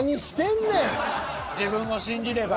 自分を信じれば。